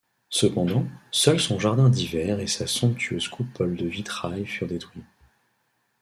Cependant, seuls son jardin d’hiver et sa somptueuse coupole de vitrail furent détruits.